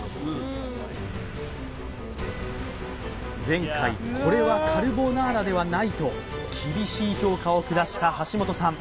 前回「これはカルボナーラではない」と厳しい評価を下した橋本さん